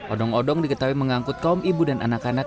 odong odong diketahui mengangkut kaum ibu dan anak anak